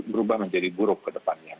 berubah menjadi buruk ke depannya